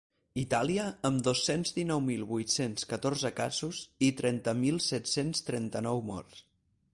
Itàlia, amb dos-cents dinou mil vuit-cents catorze casos i trenta mil set-cents trenta-nou morts.